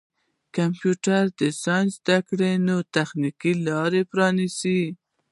د کمپیوټر ساینس زدهکړه نوې تخنیکي لارې پرانیزي.